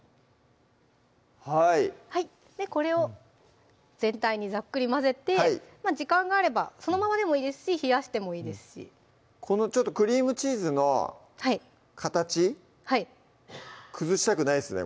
はいこれを全体にざっくり混ぜて時間があればそのままでもいいですし冷やしてもいいですしちょっとクリームチーズの形崩したくないですね